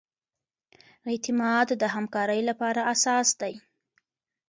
اعتماد د همکارۍ لپاره اساس دی.